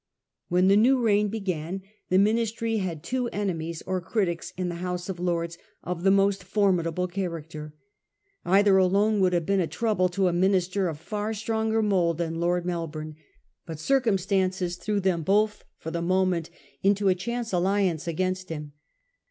"When the new reign began the Ministry had two enemies or critics in the House of Lords of the most formid able character. Either alone would have been a trouble to a minister of far stronger mould than Lord Melbourne ; but circumstances threw them both for the moment into a chance alliance against him.